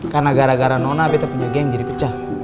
karena gara gara nona betta punya geng jadi pecah